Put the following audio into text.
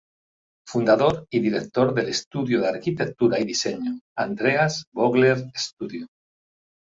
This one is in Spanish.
Fundador y director del estudio de arquitectura y diseño, Andreas Vogler Studio.